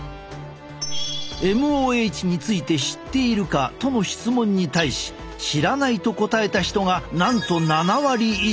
ＭＯＨについて知っているか？との質問に対し知らないと答えた人がなんと７割以上。